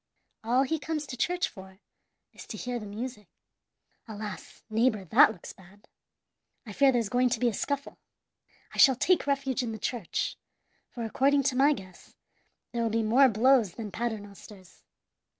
All he comes to church for is to hear the music. "Alas! neighbor, that looks bad. I fear there's going to be a scuffle. I shall take refuge in the church, for, according to my guess, there will be more blows than Paternosters.